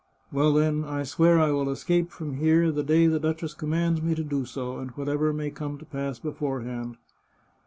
" Well, then, I swear I will escape from here the day the duchess commands me to do so, and whatever may come to pass beforehand."